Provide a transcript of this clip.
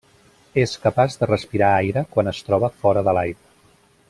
És capaç de respirar aire quan es troba fora de l'aigua.